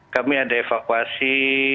kami ada evakuasi